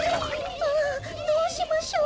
ああどうしましょう。